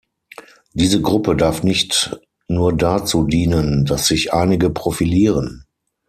Diese Gruppe darf nicht nur dazu dienen, dass sich einige profilieren.